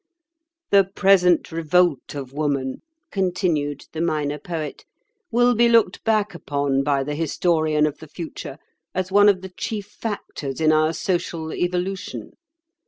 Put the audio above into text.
"The present revolt of woman," continued the Minor Poet, "will be looked back upon by the historian of the future as one of the chief factors in our social evolution.